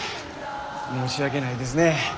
申し訳ないですね。